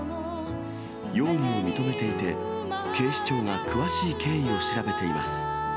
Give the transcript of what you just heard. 容疑を認めていて、警視庁が詳しい経緯を調べています。